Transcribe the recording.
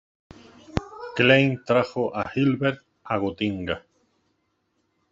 Klein trajo a Hilbert a Gotinga.